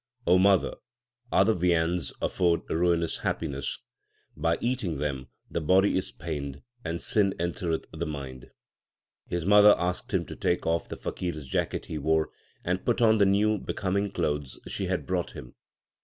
O mother, other viands afford ruinous happiness ; By eating them the body is pained, and sin entereth the mind. His mother asked him to take off the faqir s jacket he wore, and put on the new becoming clothes she had brought him.